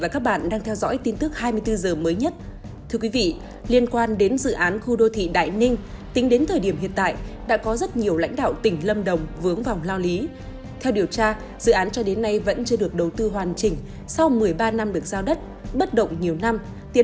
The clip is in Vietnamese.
các bạn hãy đăng ký kênh để ủng hộ kênh của chúng mình nhé